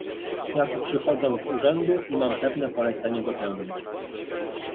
"Ja tu przychodzę z urzędu i mam pewne polecenie dopełnić."